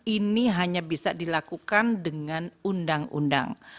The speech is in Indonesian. ini hanya bisa dilakukan dengan undang undang